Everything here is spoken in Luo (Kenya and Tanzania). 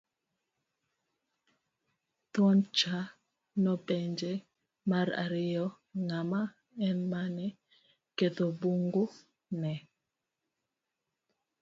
Thuondcha nopenje mar ariyo ng'ama en mane ketho bungu ne.